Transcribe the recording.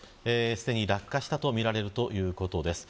すでに落下したとみられるということです。